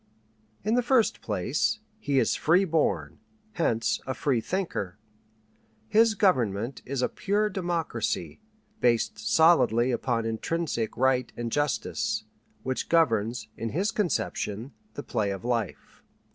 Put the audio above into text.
In the first place, he is free born, hence a free thinker. His government is a pure democracy, based solidly upon intrinsic right and justice, which governs, in his conception, the play of life.